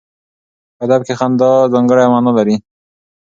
په ادب کې خندا ځانګړی معنا لري.